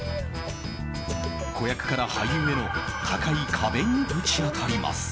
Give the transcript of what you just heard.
子役から俳優への高い壁にぶち当たります。